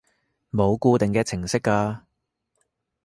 冇固定嘅程式㗎